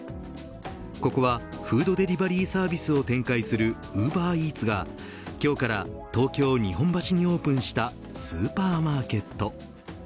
ここはフードデリバリーサービスを展開するウーバーイーツが今日から東京、日本橋にオープンしたスーパーマーケット。